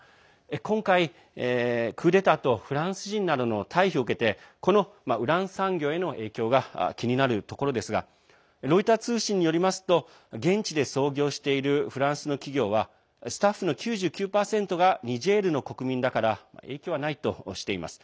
今回、クーデターとフランス人などの退避を受けてこのウラン産業への影響が気になるところですがロイター通信によりますと現地で操業しているフランスの企業はスタッフの９９％がニジェールの国民だから影響はないとしています。